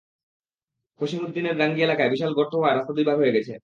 কসিমদ্দিনের ডাঙ্গি এলাকায় বিশাল গর্ত হওয়ায় রাস্তা দুই ভাগ হয়ে গেছে।